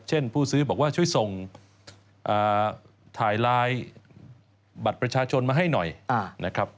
ผู้ซื้อบอกว่าช่วยส่งถ่ายไลน์บัตรประชาชนมาให้หน่อยนะครับ